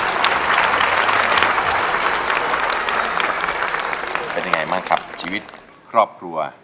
เป็นยังไงบ้างครับชีวิตครอบครัว